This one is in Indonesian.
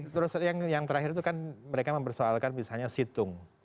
terus yang terakhir itu kan mereka mempersoalkan misalnya situng